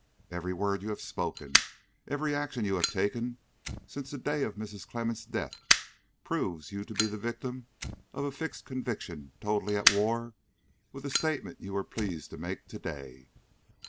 Every word you have spoken, every action you have taken, since the day of Mrs. Clemmens' death, proves you to be the victim of a fixed conviction totally at war with the statement you were pleased to make to day.